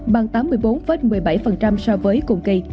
bằng tám mươi bốn một mươi bảy so với cùng kỳ